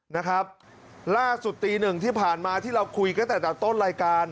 นะครับล่าสุดตีหนึ่งที่ผ่านมาที่เราคุยกันตั้งแต่ต้นรายการ